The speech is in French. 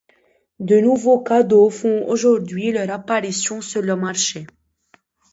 De nouveaux cadeaux font aujourd’hui leur apparition sur le marché.